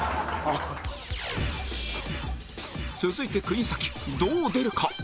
続いて国崎どう出るか？